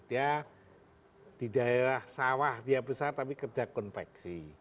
dia di daerah sawah dia besar tapi kerja konveksi